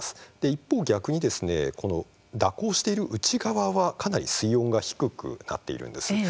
一方、逆に蛇行している内側はかなり水温が低くなっているんです。